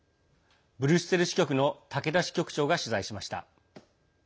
ブリュッセル支局の竹田支局長が取材しました。